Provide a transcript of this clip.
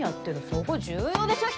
そこ重要でしょ！